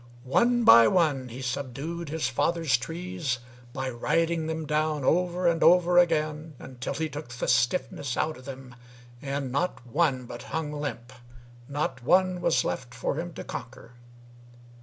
One by one he subdued his father's trees By riding them down over and over again Until he took the stiffness out of them, And not one but hung limp, not one was left For him to conquer.